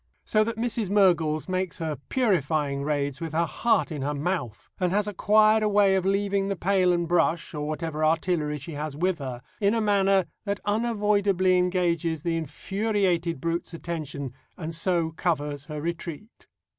So that Mrs. Mergles makes her purifying raids with her heart in her mouth, and has acquired a way of leaving the pail and brush, or whatever artillery she has with her, in a manner that unavoidably engages the infuriated brute's attention and so covers her retreat.